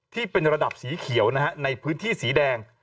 ที่เป็นระดับสีเขียวนะฮะในพื้นที่สีแดง